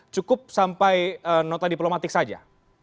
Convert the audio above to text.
cukup sampai nota diplomatik saja